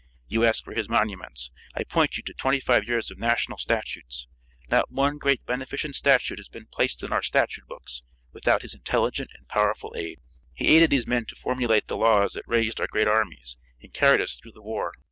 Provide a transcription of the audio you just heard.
You ask for his monuments. I point you to twenty five years of national statutes. Not one great beneficent statute has been placed in our statute books without his intelligent and powerful aid. He aided these men to formulate the laws that raised our great armies and carried us through the war.